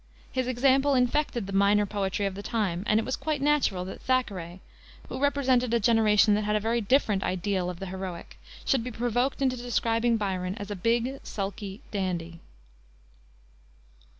His example infected the minor poetry of the time, and it was quite natural that Thackeray who represented a generation that had a very different ideal of the heroic should be provoked into describing Byron as "a big, sulky dandy."